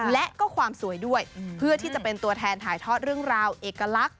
และก็ความสวยด้วยเพื่อที่จะเป็นตัวแทนถ่ายทอดเรื่องราวเอกลักษณ